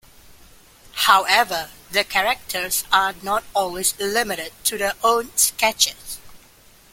However, the characters are not always limited to their own sketches.